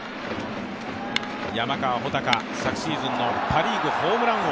山川穂高、昨シーズンのパ・リーグホームラン王。